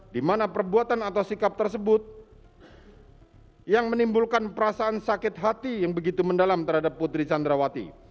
di mana perbuatan atau sikap tersebut yang menimbulkan perasaan sakit hati yang begitu mendalam terhadap putri candrawati